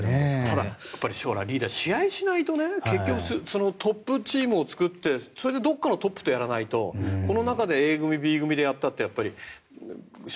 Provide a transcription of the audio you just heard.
ただ、リーダー将来、試合しないと結局、トップチームを作ってどこかのトップとやらないとこの中でＡ組、Ｂ組でやったって。